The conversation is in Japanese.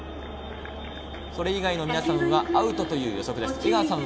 それ以外の皆さんはアウトの予測です。